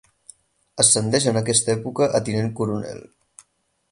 Ascendeix en aquesta època a tinent coronel.